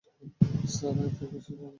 Sir, এত কিছু কী জন্যে?